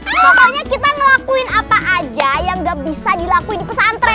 pokoknya kita ngelakuin apa aja yang gak bisa dilakuin di pesantren